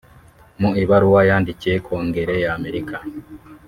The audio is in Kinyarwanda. Mu ibaruwa yandikiye kongere y’Amerika